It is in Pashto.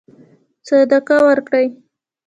صدقه ورکړي.